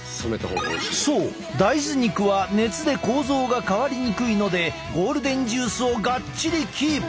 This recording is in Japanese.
そう大豆肉は熱で構造が変わりにくいのでゴールデンジュースをがっちりキープ！